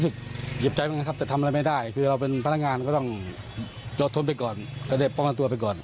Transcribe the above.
ก็ได้ป้องกันตัวไปก่อน